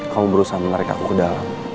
kamu berusaha menarik aku ke dalam